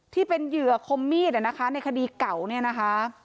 ที่เป็นเหยื่อคมมีดนะคะในคดีเก่าเนี่ยนะคะ